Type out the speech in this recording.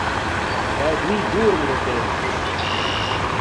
T’æ doî giorni de tempo!